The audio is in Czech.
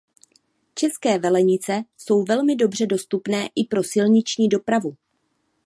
České Velenice jsou velmi dobře dostupné i pro silniční dopravu.